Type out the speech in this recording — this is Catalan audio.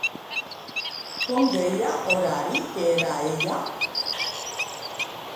Com deia Horari que era ella?